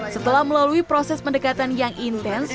setelah melalui proses pendekatan yang intens